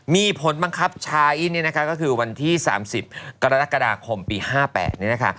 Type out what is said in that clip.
มีผลบังคับชาอินเนี่ยนะคะก็คือวันที่๓๐กรกฎาคมปี๕๘นี่นะคะ